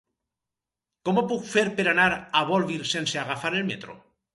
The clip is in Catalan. Com ho puc fer per anar a Bolvir sense agafar el metro?